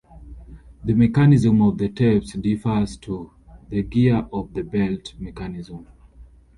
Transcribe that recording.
The mechanism of the tapes differs too; the gear or the belt mechanism.